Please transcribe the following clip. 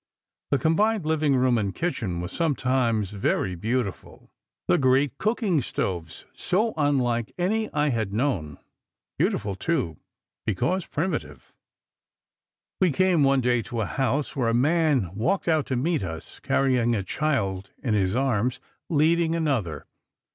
The combined living room and kitchen was sometimes very beautiful. The great cooking stoves so unlike any I had known. Beautiful, too, because primitive. "We came one day to a house where a man walked out to meet us, carrying a child in his arms, leading another.